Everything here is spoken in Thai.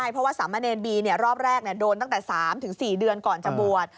เพราะว่าสามเณรบีรอบแรกโดนตั้งแต่๓๔เดือนก่อนจะบวช